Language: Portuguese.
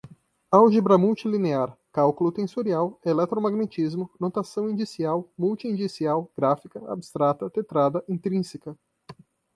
álgebra multilinear, cálculo tensorial, eletromagnetismo, notação indicial, multi-indicial, gráfica, abstrata, tetrada, intrínseca